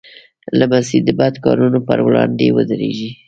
لمسی د بد کارونو پر وړاندې ودریږي.